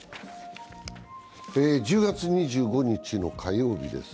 １０月２５日の火曜日です。